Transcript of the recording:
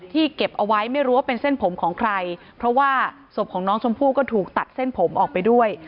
เก็บเอาไว้ไม่รู้ว่าเป็นเส้นผมของใครเพราะว่าศพของน้องชมพู่ก็ถูกตัดเส้นผมออกไปด้วย